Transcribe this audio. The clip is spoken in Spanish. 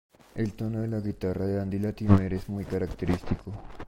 El tono de la guitarra de Andy Latimer es muy característico.